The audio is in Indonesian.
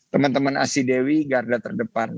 teman teman asidewi garda terdepan